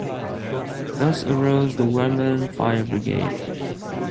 Thus arose the Wormeln fire brigade.